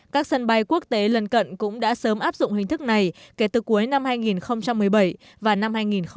các sân bay quốc tế lần cận cũng đã sớm áp dụng hình thức này kể từ cuối năm hai nghìn một mươi bảy và năm hai nghìn một mươi bảy